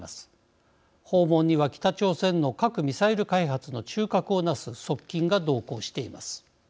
訪問には北朝鮮の核・ミサイル開発の中核をなす側近が同行しています。